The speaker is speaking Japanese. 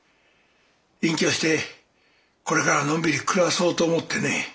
隠居してこれからのんびり暮らそうと思ってね。